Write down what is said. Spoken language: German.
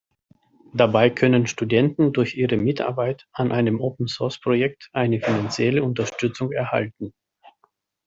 Dabei können Studenten durch ihre Mitarbeit an einem Open-Source-Projekt eine finanzielle Unterstützung erhalten.